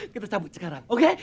kita cabut sekarang oke